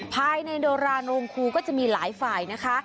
ภายในโดราโรงครูก็จะมีหลายฝ่ายนะคะ